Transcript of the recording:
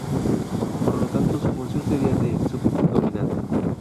Por lo tanto su función sería de subdominante.